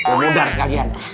yang mudar sekalian